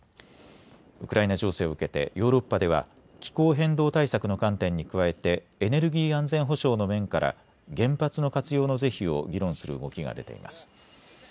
ウクライナ情勢を受けてヨーロッパでは気候変動対策の観点に加えてエネルギー安全保障の面から原発の活用の是非を議論する動きが出ています。